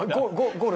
ゴール！